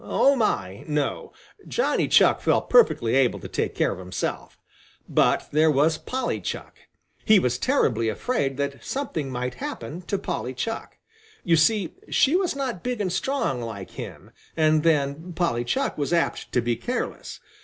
Oh, my, no! Johnny Chuck felt perfectly able to take care of himself. But there was Polly Chuck! He was terribly afraid that something might happen to Polly Chuck. You see she was not big and strong like him, and then Polly Chuck was apt to be careless.